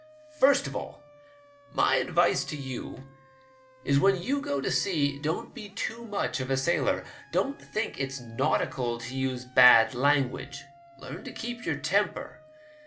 First of all, my advice to you is when you go to sea don't be too much of a sailor. Don't think it's nautical to use bad language. Learn to keep your temper.